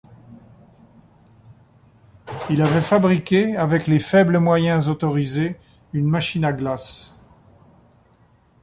Il avait fabriqué avec les faibles moyens autorisés, une machine à glace.